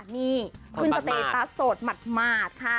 นี่คุณสเตตตาโสดหมัดค่ะ